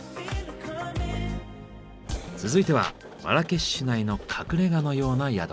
続いてはマラケシュ市内の隠れ家のような宿。